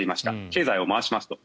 経済を回しますと。